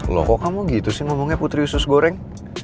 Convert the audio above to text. loh kok kamu gitu sih ngomongnya putri usus goreng